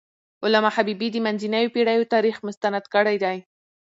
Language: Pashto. علامه حبيبي د منځنیو پېړیو تاریخ مستند کړی دی.